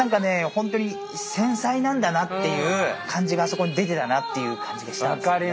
本当に繊細なんだなっていう感じがそこに出てたなっていう感じがしたんですね。